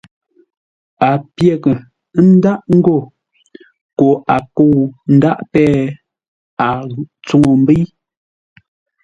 A pyə́ghʼə ńdáʼ ńgó koo a kə̂u ńdáʼ péh, a tsuŋu ḿbə́i.